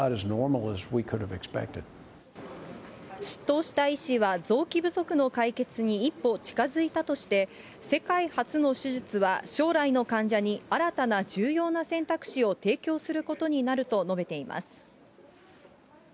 執刀した医師は、臓器不足の解決に一歩近づいたとして、世界初の手術は将来の患者に新たな重要な選択肢を提供することになると述べています。